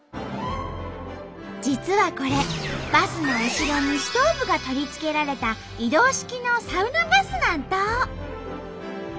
実はこれバスの後ろにストーブが取り付けられた移動式のサウナバスなんと！